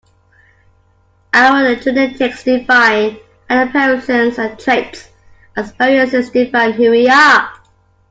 Our genetics define our appearances and traits. Our experiences define who we are.